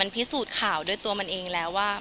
พิสูจน์ข่าวด้วยตัวมันเองแล้วว่า